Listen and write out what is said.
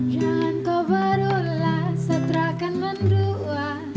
jangan kau berulang sa terakan mendua